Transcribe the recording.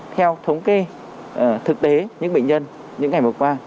theo thống kê thực tế những bệnh nhân những ngày vừa qua